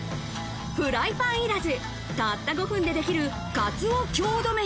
フライパンいらず、たった５分でできるカツオ郷土飯。